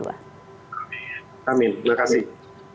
amin terima kasih